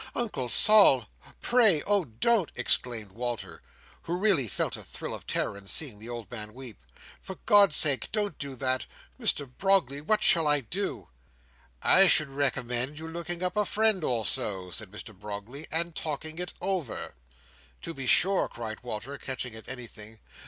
"Uncle Sol! Pray! oh don't!" exclaimed Walter, who really felt a thrill of terror in seeing the old man weep. "For God's sake don't do that. Mr Brogley, what shall I do?" "I should recommend you looking up a friend or so," said Mr Brogley, "and talking it over." "To be sure!" cried Walter, catching at anything.